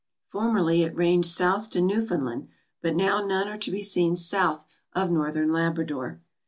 Formerly it ranged south to Newfoundland; but now none are to be seen south of northern Labrador.